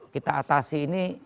kita atasi ini